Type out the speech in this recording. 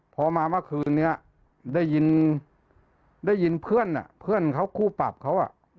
พอมาเมื่อคืนนี้ได้ยินได้ยินเพื่อนเพื่อนเขาคู่ปรับเขา